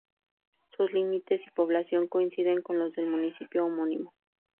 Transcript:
Sus límites y población coinciden con los del municipio homónimo.